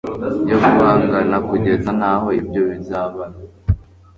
yo guhangana, kugeza naho ibyo bizabara